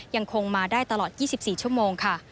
ยังคงมาได้ตลอด๒๔ชั่วโมงค่ะ